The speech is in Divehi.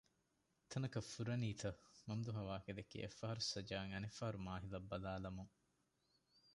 ތަނަކަށް ފުރަނީތަ ؟ މަމްދޫހާ ވާހަކަދެއްކީ އެއްފަހަރު ސަޖާއަށް އަނެއްފަހަރު މާހިލަށް ބަލާލަމުން